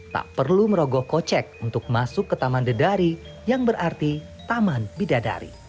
tak perlu merogoh kocek untuk masuk ke taman dedari yang berarti taman bidadari